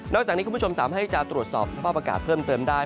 จากนี้คุณผู้ชมสามารถให้จะตรวจสอบสภาพอากาศเพิ่มเติมได้